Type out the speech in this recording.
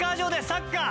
サッカー。